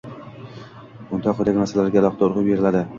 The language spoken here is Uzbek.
unda quyidagi masalalarga alohida urg‘u beriladi: